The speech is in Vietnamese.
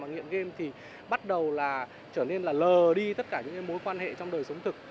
nghiện game thì bắt đầu là trở nên là lờ đi tất cả những mối quan hệ trong đời sống thực